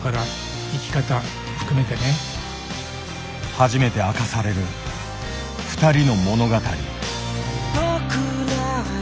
初めて明かされるふたりの物語。